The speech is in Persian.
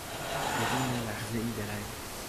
بدون لحظهای درنگ